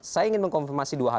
saya ingin mengkonfirmasi dua hal